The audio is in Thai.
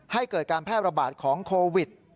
ให้เกิดการแพร่ระบาดของโควิด